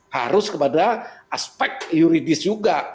harus kepada aspek yuridis juga